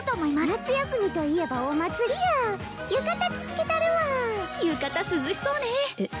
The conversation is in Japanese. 夏休みといえばお祭りや浴衣着付けたるわ浴衣涼しそうねえっ